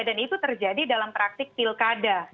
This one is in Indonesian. dan itu terjadi dalam praktik pilkada